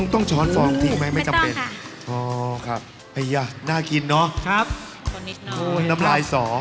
ต้องช้อนฟองทิ้งไหมไม่จำเป็นอ๋อครับน่ากินเนอะน้ำลายสอง